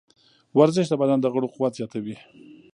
ورزش د بدن د غړو قوت زیاتوي.